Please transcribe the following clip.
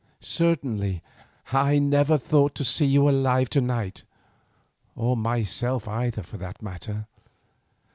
"Certainly I never thought to see you alive to night, or myself either for that matter.